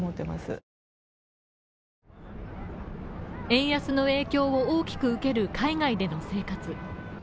円安の影響を大きく受ける海外での生活。